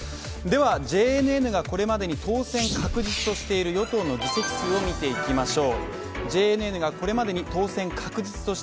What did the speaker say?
ＪＮＮがこれまでに当選確実としている与野党の議席数を見ていきましょう。